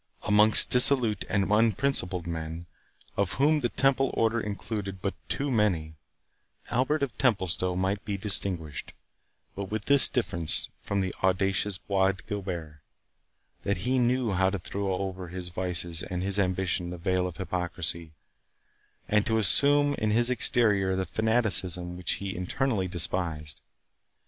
Amongst dissolute and unprincipled men, of whom the Temple Order included but too many, Albert of Templestowe might be distinguished; but with this difference from the audacious Bois Guilbert, that he knew how to throw over his vices and his ambition the veil of hypocrisy, and to assume in his exterior the fanaticism which he internally despised.